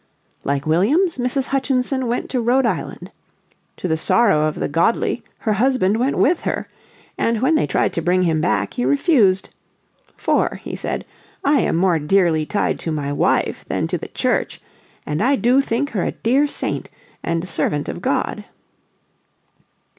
Like Williams, Mrs. Hutchinson went to Rhode Island. To the sorrow of the godly, her husband went with her. And when they tried to bring him back he refused. "For," he said, "I am more dearly tied to my wife than to the Church. And I do think her a dear saint and servant of God."